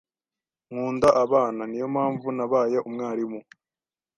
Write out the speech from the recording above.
Nkunda abana. Niyo mpamvu nabaye umwarimu.